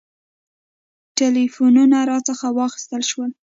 ټلفونونه راڅخه واخیستل شول.